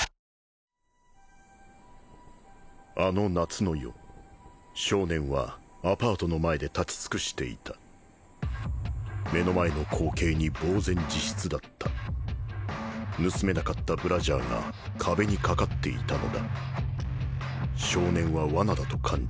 あの夏の夜少年はアパートの前で立ち尽くしていた目の前の光景にぼう然自失だった盗めなかったブラジャーが壁にかかっていたのだ少年は罠だと感じ